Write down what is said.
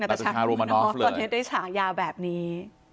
นาตาชาโรมานอฟก่อนเนี่ยได้ฉายาแบบนี้